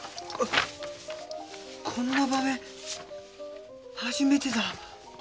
こんな場面初めてだ。